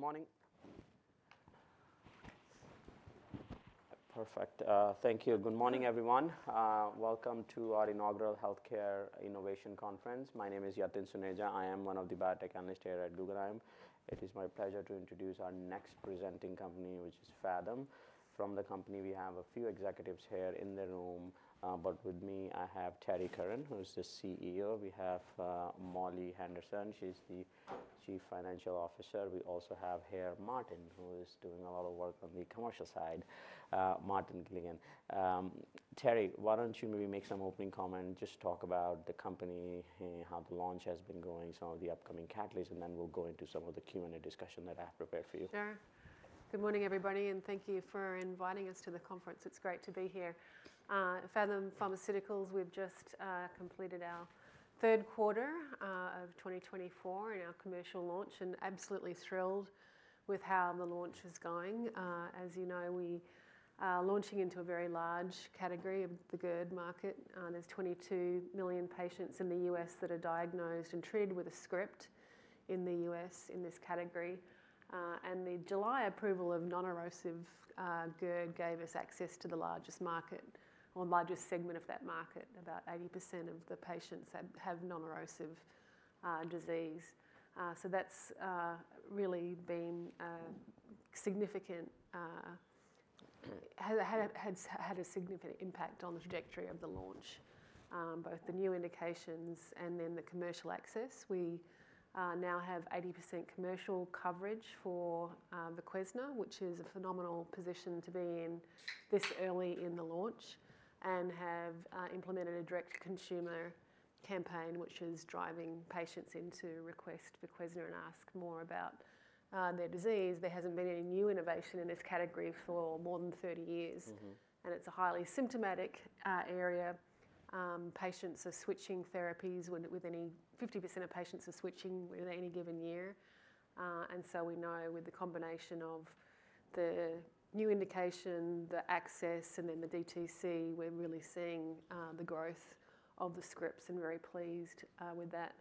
Good morning. Perfect. Thank you. Good morning, everyone. Welcome to our inaugural Healthcare Innovation Conference. My name is Yatin Suneja. I am one of the biotech analysts here at Guggenheim Securities. It is my pleasure to introduce our next presenting company, which is Phathom. From the company, we have a few executives here in the room, but with me, I have Terrie Curran, who is the CEO. We have Molly Henderson. She's the Chief Financial Officer. We also have here Martin, who is doing a lot of work on the commercial side. Martin Gilligan. Terrie, why don't you maybe make some opening comment, just talk about the company, how the launch has been going, some of the upcoming catalysts, and then we'll go into some of the Q&A discussion that I have prepared for you. Sure. Good morning, everybody, and thank you for inviting us to the conference. It's great to be here. Phathom Pharmaceuticals, we've just completed our third quarter of 2024 in our commercial launch and absolutely thrilled with how the launch is going. As you know, we are launching into a very large category of the GERD market. There's 22 million patients in the U.S. that are diagnosed and treated with a script in the U.S. in this category, and the July approval of non-erosive GERD gave us access to the largest market or largest segment of that market. About 80% of the patients have non-erosive disease, so that's really been significant, had a significant impact on the trajectory of the launch, both the new indications and then the commercial access. We now have 80% commercial coverage for Voquezna, which is a phenomenal position to be in this early in the launch and have implemented a direct-to-consumer campaign, which is driving patients in to request for Voquezna and ask more about their disease. There hasn't been any new innovation in this category for more than 30 years. It's a highly symptomatic area. Patients are switching therapies, with 50% of patients switching within any given year. We know with the combination of the new indication, the access, and then the DTC, we're really seeing the growth of the scripts and very pleased with that.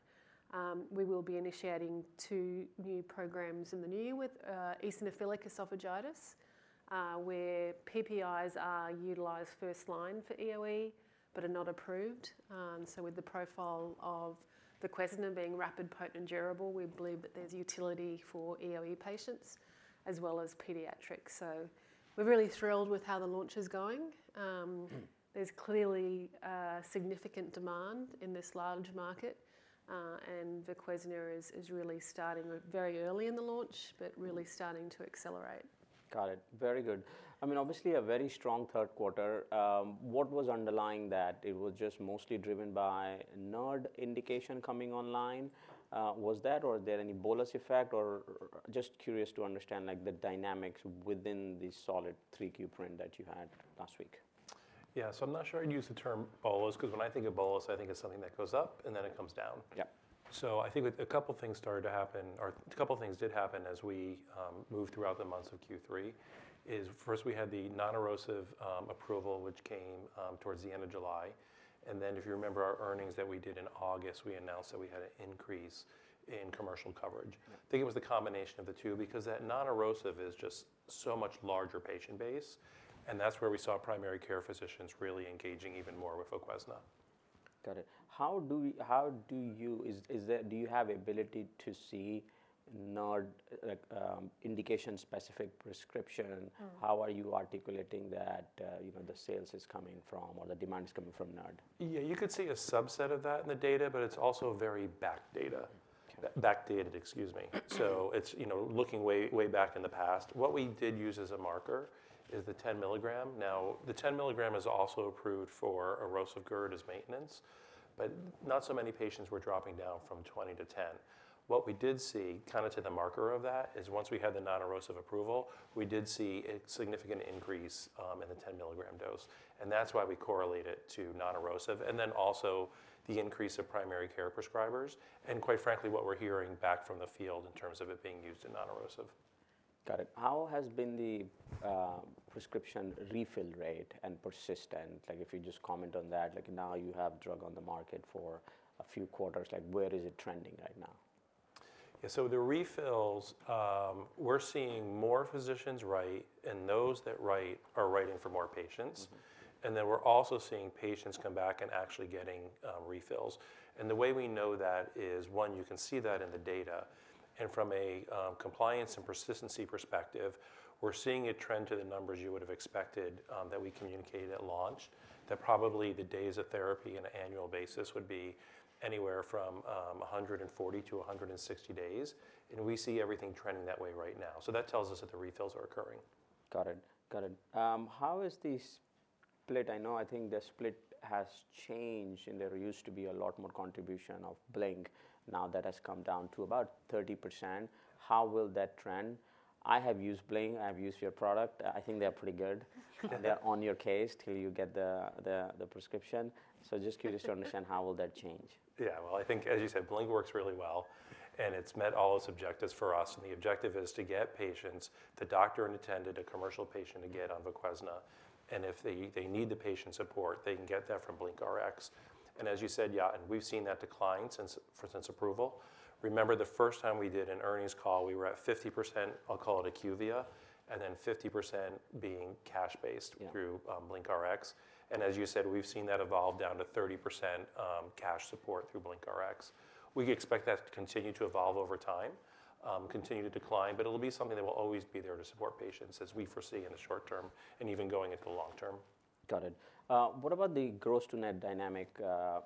We will be initiating two new programs in the near term with eosinophilic esophagitis, where PPIs are utilized first line for EoE but are not approved. With the profile of Voquezna being rapid, potent, and durable, we believe that there's utility for EoE patients as well as pediatrics. We're really thrilled with how the launch is going. There's clearly significant demand in this large market, and Voquezna is really starting very early in the launch but really starting to accelerate. Got it. Very good. I mean, obviously a very strong third quarter. What was underlying that? It was just mostly driven by a NERD indication coming online. Was that or are there any bolus effect or just curious to understand, like, the dynamics within the solid 3Q print that you had last week? I'm not sure I'd use the term bolus 'cause when I think of bolus, I think it's something that goes up and then it comes down. Yep. I think a couple things started to happen or a couple things did happen as we moved throughout the months of Q3. First, we had the non-erosive approval, which came towards the end of July. Then if you remember our earnings that we did in August, we announced that we had an increase in commercial coverage. I think it was the combination of the two because that non-erosive is just so much larger patient base, and that's where we saw primary care physicians really engaging even more with Voquezna. Got it. Is there, do you have ability to see NERD, like, indication-specific prescription? How are you articulating that, you know, the sales is coming from or the demand is coming from NERD? You could see a subset of that in the data, but it's also very back data. Okay. Backdated, excuse me. So it's, you know, looking way, way back in the past. What we did use as a marker is the 10 milligram. Now, the 10 milligram is also approved for erosive GERD as maintenance, but not so many patients were dropping down from 20 to 10. What we did see kind of to the marker of that is once we had the non-erosive approval, we did see a significant increase in the 10 milligram dose. And that's why we correlate it to non-erosive and then also the increase of primary care prescribers. And quite frankly, what we're hearing back from the field in terms of it being used in non-erosive. Got it. How has been the prescription refill rate and persistent? Like, if you just comment on that, like, now you have drug on the market for a few quarters, like, where is it trending right now? So the refills, we're seeing more physicians write and those that write are writing for more patients. Then we're also seeing patients come back and actually getting refills. And the way we know that is one, you can see that in the data. And from a compliance and persistency perspective, we're seeing a trend to the numbers you would've expected, that we communicated at launch that probably the days of therapy on an annual basis would be anywhere from 140 to 160 days. And we see everything trending that way right now. So that tells us that the refills are occurring. Got it. Got it. How is the split? I know I think the split has changed in there. It used to be a lot more contribution of Blink. Now that has come down to about 30%. How will that trend? I have used Blink. I've used your product. I think they're pretty good. They're on your case till you get the prescription. So just curious to understand how will that change? Well, I think, as you said, Blink works really well and it's met all its objectives for us. And the objective is to get patients, the doctor in attendant, a commercial patient to get on the Voquezna. And if they need the patient support, they can get that from BlinkRx. And as you said, Yatin, we've seen that decline since approval. Remember the first time we did an earnings call, we were at 50%, I'll call it an IQVIA, and then 50% being cash-based. Through BlinkRx. And as you said, we've seen that evolve down to 30%, cash support through BlinkRx. We expect that to continue to evolve over time, continue to decline, but it'll be something that will always be there to support patients as we foresee in the short term and even going into the long term. Got it. What about the gross-to-net dynamic,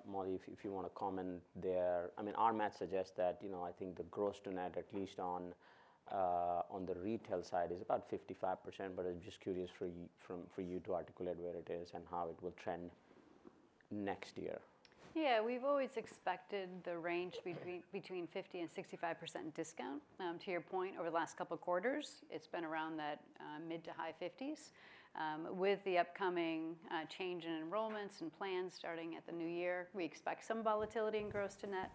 Molly, if you wanna comment there? I mean, our MATs suggest that, you know, I think the gross-to-net, at least on the retail side, is about 55%, but I'm just curious for you to articulate where it is and how it will trend next year. We've always expected the range between. Between 50% and 65% discount. To your point, over the last couple quarters, it's been around that, mid- to high-50s. With the upcoming change in enrollments and plans starting at the new year, we expect some volatility in gross-to-net.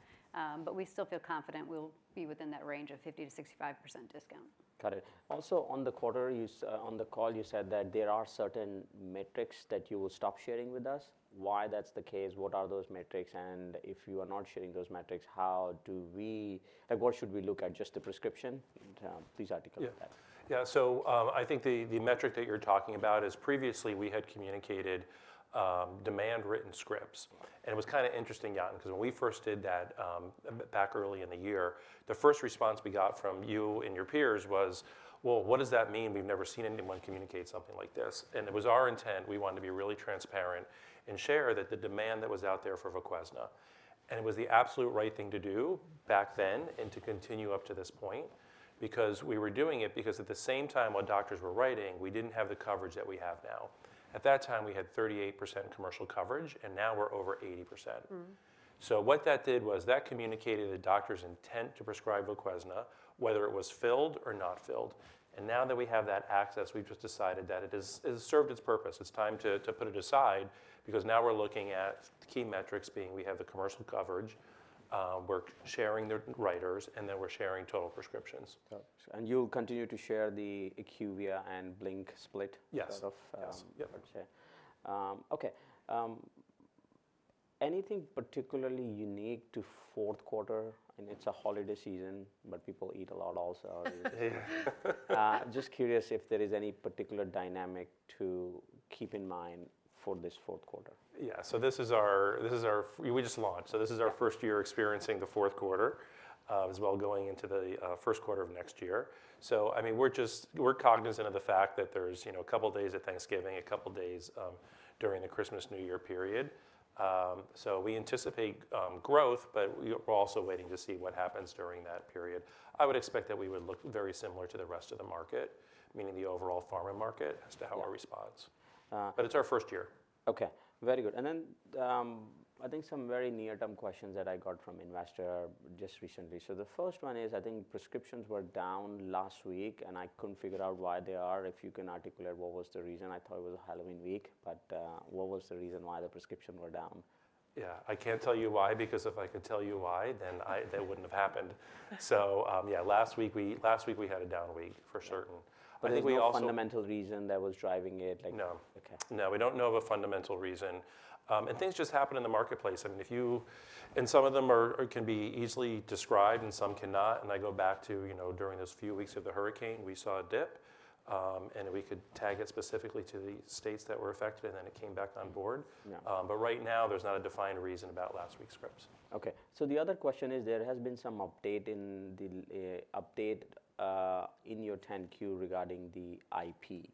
But we still feel confident we'll be within that range of 50% to 65% discount. Got it. Also on the quarter, on the call, you said that there are certain metrics that you will stop sharing with us. Why that's the case? What are those metrics? And if you are not sharing those metrics, how do we like, what should we look at? Just the prescription? Please articulate that. So, I think the metric that you're talking about is previously we had communicated demand-written scripts. And it was kind of interesting, Yatin, 'cause when we first did that back early in the year, the first response we got from you and your peers was, well, what does that mean? We've never seen anyone communicate something like this. And it was our intent. We wanted to be really transparent and share that the demand that was out there for Voquezna. And it was the absolute right thing to do back then and to continue up to this point because we were doing it because at the same time while doctors were writing, we didn't have the coverage that we have now. At that time, we had 38% commercial coverage, and now we're over 80%. So what that did was that communicated a doctor's intent to prescribe Voquezna, whether it was filled or not filled. And now that we have that access, we've just decided that it has served its purpose. It's time to put it aside because now we're looking at key metrics being we have the commercial coverage, we're sharing the NRx's, and then we're sharing total prescriptions. Got it. And you'll continue to share the IQVIA and Blink split? Yes. Sort of. Yes. Okay, anything particularly unique to fourth quarter? I mean, it's a holiday season, but people eat a lot also. Just curious if there is any particular dynamic to keep in mind for this fourth quarter? So this is our. We just launched. So this is our first year experiencing the fourth quarter, as well, going into the first quarter of next year. So, I mean, we're just cognizant of the fact that there's, you know, a couple days at Thanksgiving, a couple days during the Christmas New Year period. So we anticipate growth, but we're also waiting to see what happens during that period. I would expect that we would look very similar to the rest of the market, meaning the overall pharma market as to how our response. But it's our first year. Okay. Very good. And then, I think some very near-term questions that I got from investor just recently. So the first one is, I think prescriptions were down last week, and I couldn't figure out why they are. If you can articulate what was the reason. I thought it was a Halloween week, but what was the reason why the prescription were down? I can't tell you why because if I could tell you why, then that wouldn't have happened. So, yeah, last week we had a down week for certain. But is there a fundamental reason that was driving it? No. Okay. No, we don't know of a fundamental reason, and things just happen in the marketplace. I mean, if you and some of them are and can be easily described, and some cannot. I go back to, you know, during those few weeks of the hurricane, we saw a dip, and we could tag it specifically to the states that were affected, and then it came back on board. But right now there's not a defined reason about last week's scripts. Okay. So the other question is there has been some update in the update in your 10-Q regarding the IP.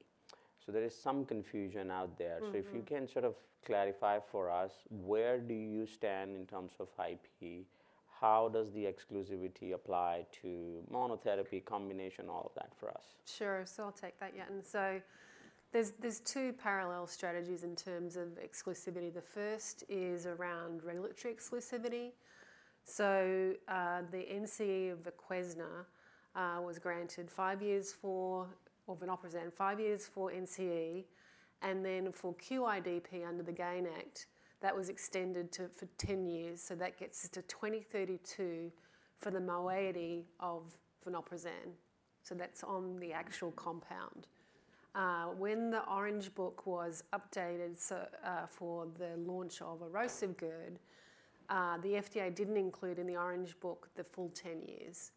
So there is some confusion out there. So if you can sort of clarify for us, where do you stand in terms of IP? How does the exclusivity apply to monotherapy combination, all of that for us? Sure. So I'll take that, Yatin. So there's two parallel strategies in terms of exclusivity. The first is around regulatory exclusivity. So the NCE of Voquezna was granted five years for, or vonoprazan five years for NCE. And then for QIDP under the GAIN Act, that was extended to for 10 years. So that gets to 2032 for the moietyof vonoprazan. So that's on the actual compound. When the Orange Book was updated, so for the launch of erosive GERD, the FDA didn't include in the Orange Book the full 10 years.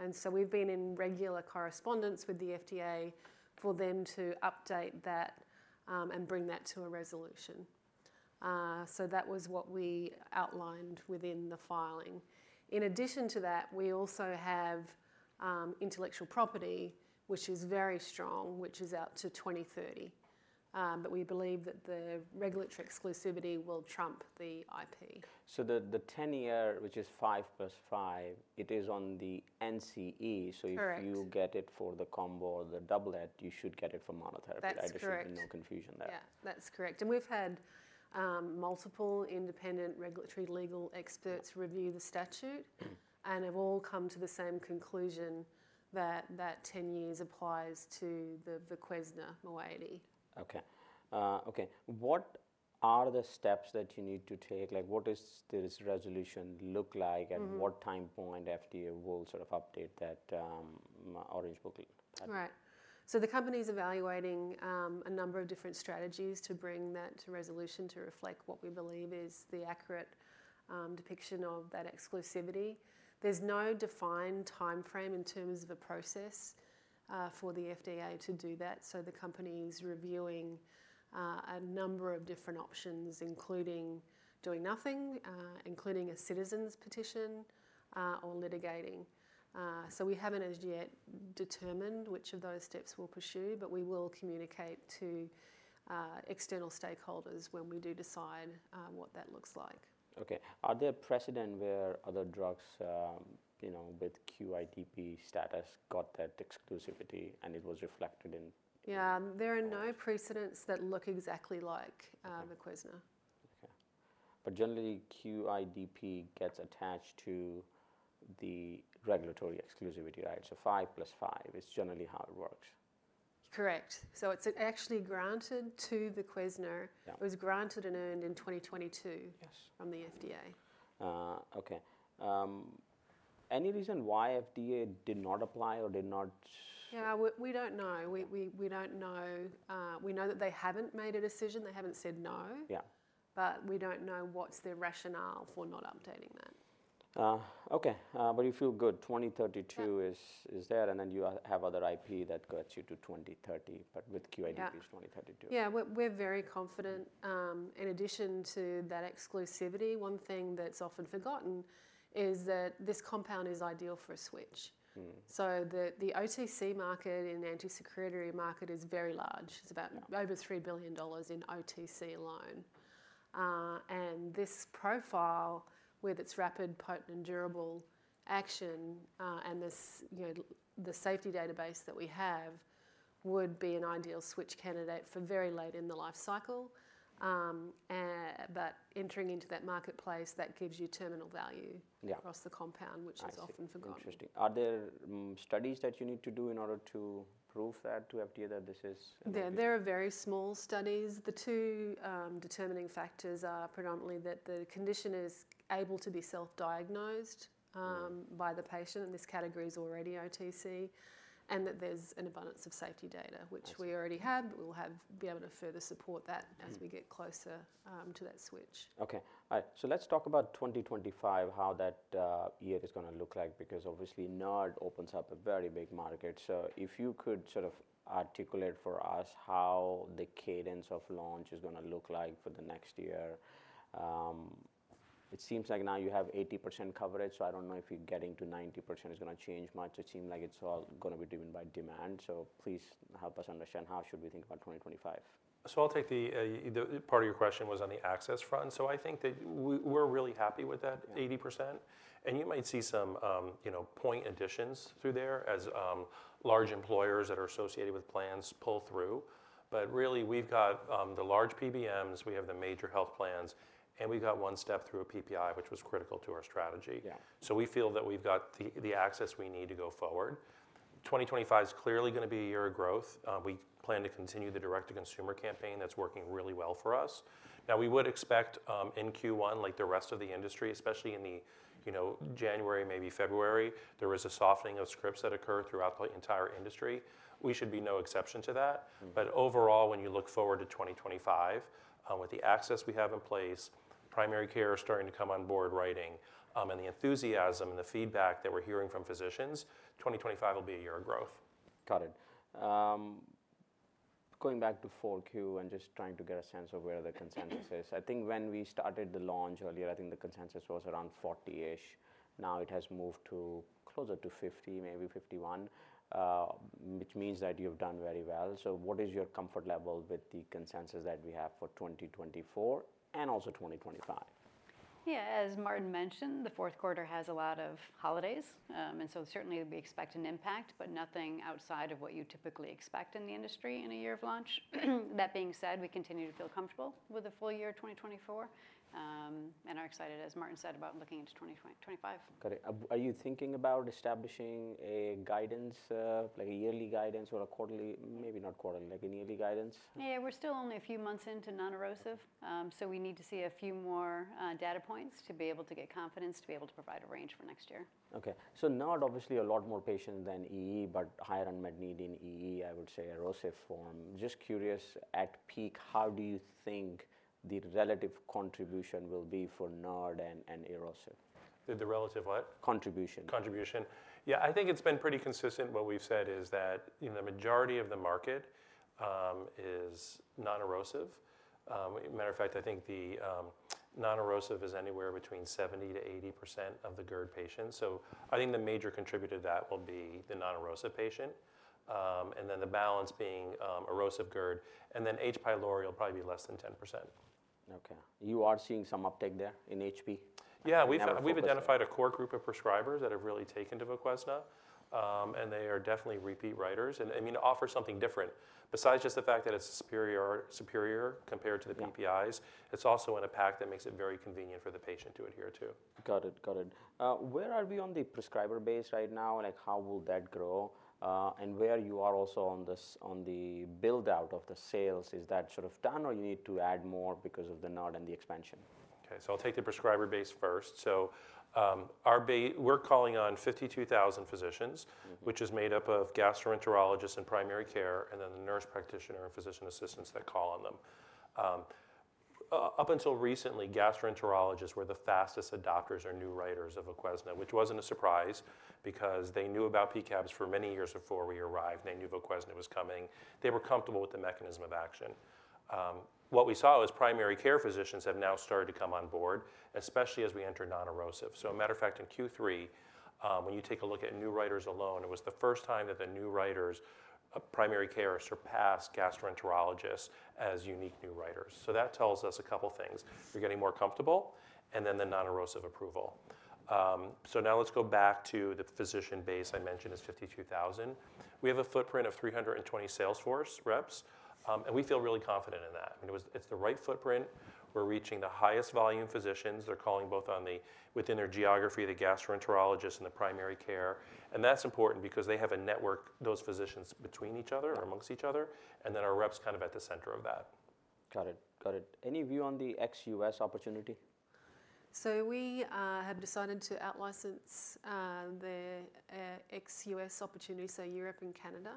And so we've been in regular correspondence with the FDA for them to update that, and bring that to a resolution. So that was what we outlined within the filing. In addition to that, we also have intellectual property, which is very strong, which is out to 2030. But we believe that the regulatory exclusivity will trump the IP. So, the 10-year, which is five plus five, it is on the NCE. Correct. So if you get it for the combo or the Dual Pak, you should get it for monotherapy. That is correct. I just need no confusion there. That's correct. And we've had multiple independent regulatory legal experts review the statute. Have all come to the same conclusion that 10 years applies to the Voquezna moiety. Okay. What are the steps that you need to take? Like, what does this resolution look like? At what time point FDA will sort of update that, Orange Book? Right. So the company's evaluating a number of different strategies to bring that to resolution to reflect what we believe is the accurate depiction of that exclusivity. There's no defined timeframe in terms of a process for the FDA to do that. So the company's reviewing a number of different options, including doing nothing, including a citizen's petition, or litigating. So we haven't as yet determined which of those steps we'll pursue, but we will communicate to external stakeholders when we do decide what that looks like. Okay. Are there precedents where other drugs, you know, with QIDP status got that exclusivity and it was reflected in? There are no precedents that look exactly like Voquezna. Okay. But generally, QIDP gets attached to the regulatory exclusivity, right? So five plus five is generally how it works. Correct. So it's actually granted to Voquezna. It was granted and earned in 2022. Yes. From the FDA. Okay. Any reason why FDA did not apply or did not? We don't know. We know that they haven't made a decision. They haven't said no. But we don't know what's their rationale for not updating that. Okay. But you feel good. 2032 is there, and then you have other IP that gets you to 2030, but with QIDP's 2032. We're very confident. In addition to that exclusivity, one thing that's often forgotten is that this compound is ideal for a switch. So the OTC market and anti-secretory market is very large. It's about. Over $3 billion in OTC alone, and this profile with its rapid, potent, and durable action, and this, you know, the safety database that we have would be an ideal switch candidate for very late in the life cycle, and but entering into that marketplace, that gives you terminal value. Across the compound, which is often forgotten. Interesting. Are there studies that you need to do in order to prove that to FDA that this is? There are very small studies. The two determining factors are predominantly that the condition is able to be self-diagnosed by the patient. And this category is already OTC and that there's an abundance of safety data, which we already have, but we'll have be able to further support that as we get closer to that switch. Okay. All right. So let's talk about 2025, how that year is gonna look like because obviously NERD opens up a very big market. So if you could sort of articulate for us how the cadence of launch is gonna look like for the next year. It seems like now you have 80% coverage, so I don't know if you're getting to 90% is gonna change much. It seemed like it's all gonna be driven by demand. So please help us understand how should we think about 2025. So I'll take the part of your question was on the access front. So I think that we're really happy with that 80%. And you might see some you know point additions through there as large employers that are associated with plans pull through. But really we've got the large PBMs we have the major health plans and we've got one step through a PPI which was critical to our strategy. So we feel that we've got the access we need to go forward. 2025's clearly gonna be a year of growth. We plan to continue the direct-to-consumer campaign that's working really well for us. Now, we would expect, in Q1, like the rest of the industry, especially in the, you know, January, maybe February, there was a softening of scripts that occur throughout the entire industry. We should be no exception to that. But overall, when you look forward to 2025, with the access we have in place, primary care is starting to come on board writing, and the enthusiasm and the feedback that we're hearing from physicians, 2025 will be a year of growth. Got it. Going back to 4Q and just trying to get a sense of where the consensus is. I think when we started the launch earlier, I think the consensus was around 40-ish. Now it has moved to closer to 50, maybe 51, which means that you've done very well. So what is your comfort level with the consensus that we have for 2024 and also 2025? As Martin mentioned, the fourth quarter has a lot of holidays, and so certainly we expect an impact, but nothing outside of what you typically expect in the industry in a year of launch. That being said, we continue to feel comfortable with the full year 2024, and are excited, as Martin said, about looking into 2025. Got it. Are you thinking about establishing a guidance, like a yearly guidance or a quarterly? Maybe not quarterly, like a yearly guidance? We're still only a few months into non-erosive. So we need to see a few more data points to be able to get confidence to be able to provide a range for next year. Okay. NERD, obviously a lot more patients than EoE, but higher unmet need in EoE, I would say, erosive form. Just curious, at peak, how do you think the relative contribution will be for NERD and erosive? The relative what? Contribution. Contribution. I think it's been pretty consistent. What we've said is that, you know, the majority of the market is non-erosive. Matter of fact, I think the non-erosive is anywhere between 70%-80% of the GERD patients. So I think the major contributor to that will be the non-erosive patient, and then the balance being erosive GERD. And then H. pylori will probably be less than 10%. Okay. You are seeing some uptake there in H. pylori? We've identified a core group of prescribers that have really taken to Voquezna, and they are definitely repeat writers. And I mean, offer something different besides just the fact that it's superior, superior compared to the PPIs. It's also in a pack that makes it very convenient for the patient to adhere to. Got it. Got it. Where are we on the prescriber base right now? Like, how will that grow? And where you are also on this, on the buildout of the sales, is that sort of done or you need to add more because of the NERD and the expansion? Okay. I'll take the prescriber base first. Our base we're calling on 52,000 physicians. Which is made up of gastroenterologists and primary care, and then the nurse practitioner and physician assistants that call on them. Up until recently, gastroenterologists were the fastest adopters or new writers of Voquezna, which wasn't a surprise because they knew about P-CABs for many years before we arrived. They knew Voquezna was coming. They were comfortable with the mechanism of action. What we saw is primary care physicians have now started to come on board, especially as we enter non-erosive, so matter of fact, in Q3, when you take a look at new writers alone, it was the first time that the new writers, primary care surpassed gastroenterologists as unique new writers. So that tells us a couple things. You're getting more comfortable, and then the non-erosive approval, so now let's go back to the physician base I mentioned is 52,000. We have a footprint of 320 sales force reps, and we feel really confident in that. I mean, it's the right footprint. We're reaching the highest volume physicians. They're calling both on, within their geography, the gastroenterologists and the primary care, and that's important because they have a network, those physicians between each other or amongst each other, and then our reps kind of at the center of that. Got it. Got it. Any view on the ex-US opportunity? So we have decided to outlicense the ex-US opportunity, so Europe and Canada.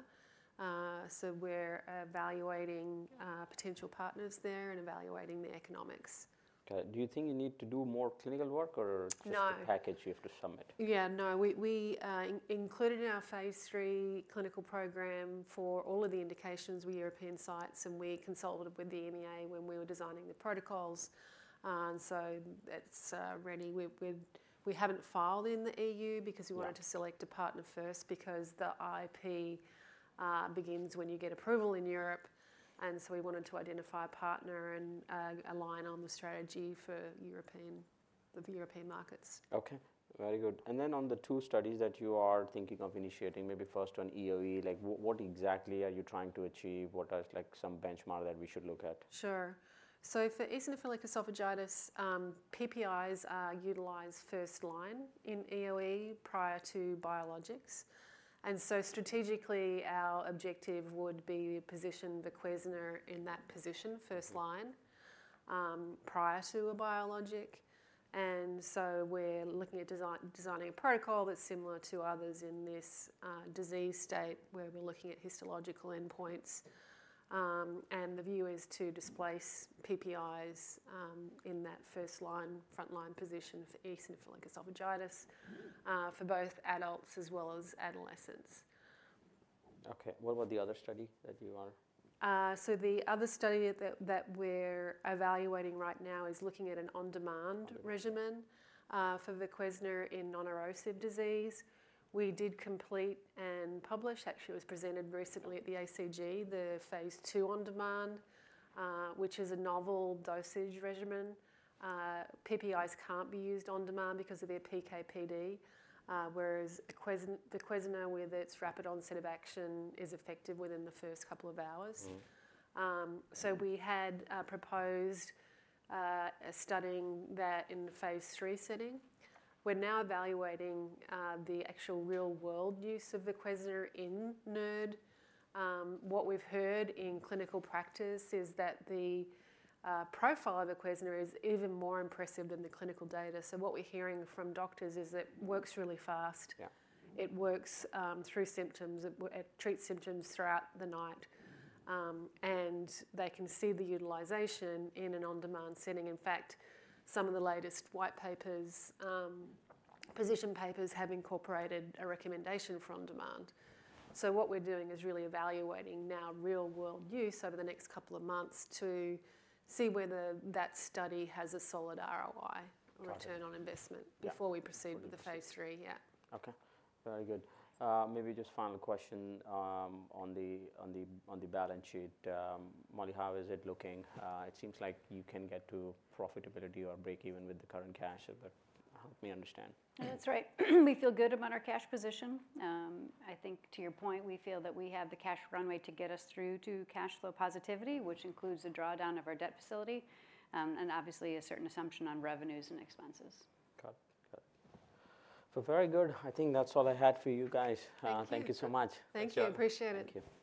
So we're evaluating potential partners there and evaluating the economics. Okay. Do you think you need to do more clinical work or just? No. The package you have to submit? No. We included in our phase three clinical program for all of the indications with European sites, and we consulted with the EMA when we were designing the protocols, and so that's ready. We haven't filed in the EU because we wanted to select a partner first because the IP begins when you get approval in Europe, and so we wanted to identify a partner and align on the strategy for the European markets. Okay. Very good. And then on the two studies that you are thinking of initiating, maybe first on EoE, like, what exactly are you trying to achieve? What are like some benchmark that we should look at? Sure. So for eosinophilic esophagitis, PPIs are utilized first line in EoE prior to biologics. And so strategically, our objective would be to position Voquezna in that position first line, prior to a biologic. And so we're looking at designing a protocol that's similar to others in this disease state where we're looking at histological endpoints. And the view is to displace PPIs in that first line, front line position for eosinophilic esophagitis, for both adults as well as adolescents. Okay. What about the other study that you are? So the other study that we're evaluating right now is looking at an on-demand regimen for Voquezna in non-erosive disease. We did complete and publish, actually was presented recently at the ACG, the phase two on-demand, which is a novel dosage regimen. PPIs can't be used on-demand because of their PK/PD, whereas Voquezna with its rapid onset of action is effective within the first couple of hours. So we had proposed a study in the phase three setting. We're now evaluating the actual real-world use of the Voquezna in NERD. What we've heard in clinical practice is that the profile of the Voquezna is even more impressive than the clinical data. So what we're hearing from doctors is it works really fast. It works through symptoms. It treats symptoms throughout the night, and they can see the utilization in an on-demand setting. In fact, some of the latest white papers, physician papers have incorporated a recommendation for on-demand. So what we're doing is really evaluating now real-world use over the next couple of months to see whether that study has a solid ROI. Got it. Return on investment before we proceed with the phase three. Okay. Very good. Maybe just final question, on the balance sheet. Molly, how is it looking? It seems like you can get to profitability or break even with the current cash, but help me understand. That's right. We feel good about our cash position. I think to your point, we feel that we have the cash runway to get us through to cash flow positivity, which includes a drawdown of our debt facility, and obviously a certain assumption on revenues and expenses. Got it. Got it. Well, very good. I think that's all I had for you guys. Thank you. Thank you so much. Thank you. Thank you. Appreciate it. Thank you. Thank you.